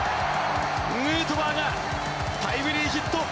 ヌートバーがタイムリーヒット！